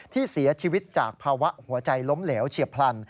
ที่เสียชีวิตจากภาวะหัวใจล้มเหลวเฉียบพลัน